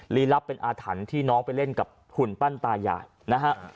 ลีลับเป็นอาถรรพ์ที่น้องไปเล่นกับหุ่นปั้นตายายนะฮะ